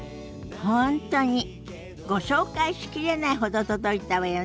本当にご紹介しきれないほど届いたわよね。